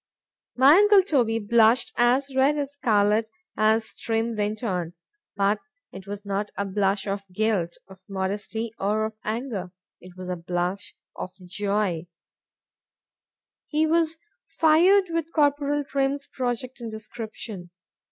My uncle Toby blushed as red as scarlet as Trim went on;—but it was not a blush of guilt,—of modesty,—or of anger,—it was a blush of joy;—he was fired with Corporal Trim's project and description.